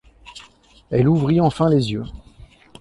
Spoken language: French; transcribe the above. Elle ouvrit enfin les yeux.